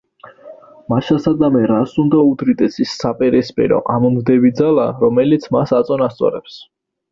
მაშასადამე რას უნდა უდრიდეს ის საპირისპირო, ამომგდები ძალა, რომელიც მას აწონასწორებს?